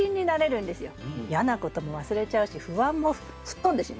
嫌なことも忘れちゃうし不安も吹っ飛んでしまう。